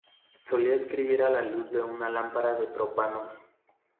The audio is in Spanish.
Solía escribir a la luz de una lámpara de propano.